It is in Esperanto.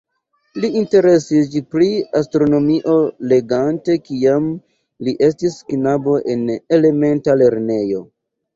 Li interesiĝis pri astronomio legante kiam li estis knabo en elementa lernejo.